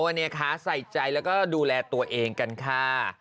วันนี้คะใส่ใจแล้วก็ดูแลตัวเองกันค่ะ